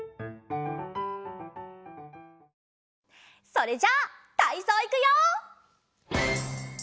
それじゃたいそういくよ！